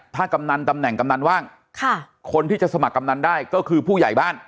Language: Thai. ถ้ากำนันตำแหน่งกำนันว่างค่ะคนที่จะสมัครกำนันได้ก็คือผู้ใหญ่บ้าน